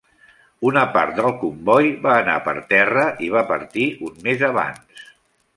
Una part del comboi va anar per terra i va partir un mes abans.